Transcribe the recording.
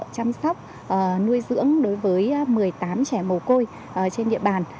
chăm sóc nuôi dưỡng đối với một mươi tám trẻ mồ côi trên địa bàn